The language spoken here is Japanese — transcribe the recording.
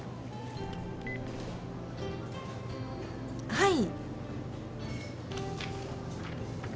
はい。